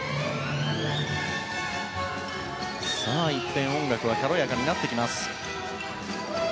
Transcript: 一転、音楽は軽やかになっていきます。